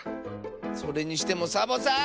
それにしてもサボさん！